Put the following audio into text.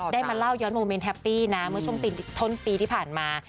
ได้มาเล่าย้อนโมเมนต์แฮปปี้นะเมื่อช่วงต้นปีที่ผ่านมา